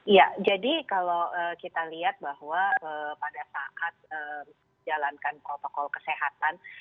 ya jadi kalau kita lihat bahwa pada saat jalankan protokol kesehatan